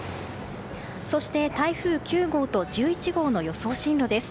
そして、台風９号と１１号の予想進路です。